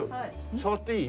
触っていい？